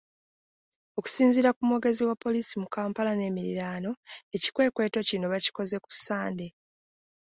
Okusinziira ku mwogezi wa poliisi mu Kampala n’emiriraano, ekikwekweto kino bakikoze ku Ssande.